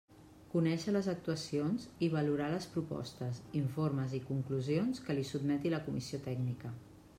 Conèixer les actuacions i valorar les propostes, informes i conclusions que li sotmeti la Comissió Tècnica.